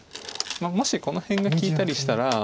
もしこの辺が利いたりしたら。